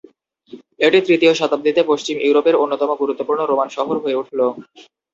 এটি তৃতীয় শতাব্দীতে পশ্চিম ইউরোপের অন্যতম গুরুত্বপূর্ণ রোমান শহর হয়ে উঠল।